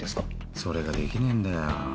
それができねえんだよ。